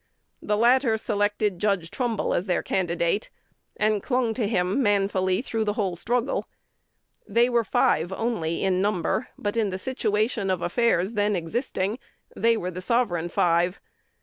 The latter selected Judge Trumbull as their candidate, and clung to him manfully through the whole struggle. They were five only in number; but in the situation of affairs then existing they were the sovereign five.